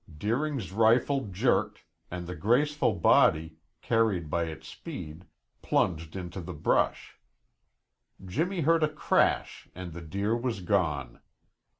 Deering's rifle jerked, and the graceful body, carried by its speed, plunged into the brush. Jimmy heard a crash and the deer was gone.